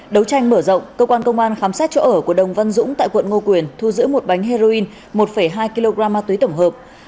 đấu tranh mở rộng cơ quan công an khám xét chỗ ở của đồng văn dũng tại quận ngô quyền thu giữ một bánh heroin một hai kg ma túy tổng hợp